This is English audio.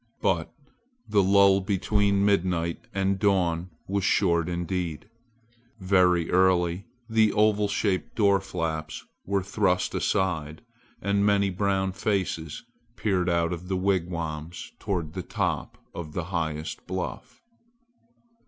But the lull between midnight and dawn was short indeed. Very early the oval shaped door flaps were thrust aside and many brown faces peered out of the wigwams toward the top of the highest bluff.